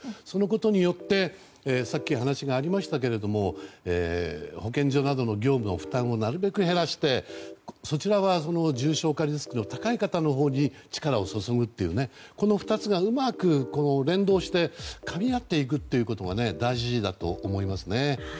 このことによってさっき話がありましたが保健所などの業務の負担をなるべく減らして、そちらは重症化リスクの高い方のほうに力を注ぐという、この２つがうまく連動してかみ合っていくことが大事だと思いますね。